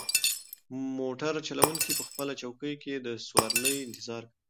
موټر چلونکی په خپله چوکۍ کې د سوارلۍ انتظار کوي.